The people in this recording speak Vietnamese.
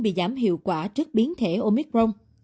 bị giảm hiệu quả trước biến thể omicron